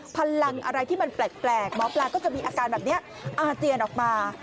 พลังอะไรที่มันแปลกหมอปลาก็จะมีอาการแบบนี้อาเจียนออกมา